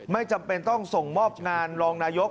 ไม่จำเป็นต้องส่งมอบงานรองนายก